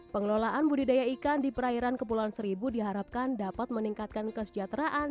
pengelolaan budidaya ikan di perairan kepulauan seribu diharapkan dapat meningkatkan kesejahteraan